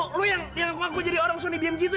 eh lu lu yang yang ngaku ngaku jadi orang sony bmg itu ya